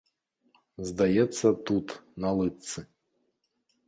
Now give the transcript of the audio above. Здаецца, тут, на лытцы.